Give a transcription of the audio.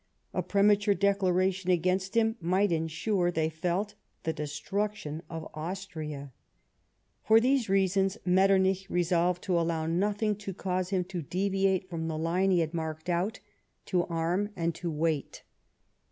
A premature declaration against him might ensure, they felt, the destruction of Austria. For these reasons Metternich resolved to allow nothing to cause him to deviate from the line he had marked out — to arm and to wait.